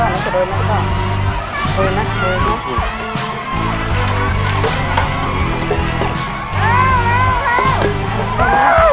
เนอะ